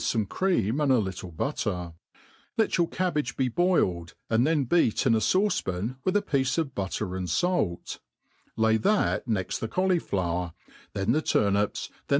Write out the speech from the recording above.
fome cream and a little butter; let your cabbage be boiled, and then beat in a fauce pan with a piece of butter and fait, lay that next the cauliflower, then the turnips, the.o.